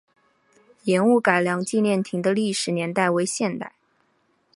盐务改良纪念亭的历史年代为现代。